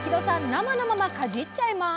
生のままかじっちゃいます！